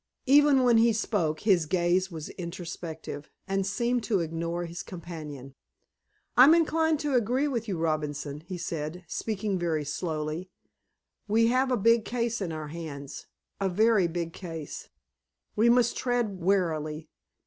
Even when he spoke, his gaze was introspective, and seemed to ignore his companion. "I'm inclined to agree with you, Robinson," he said, speaking very slowly. "We have a big case in our hands, a very big case. We must tread warily.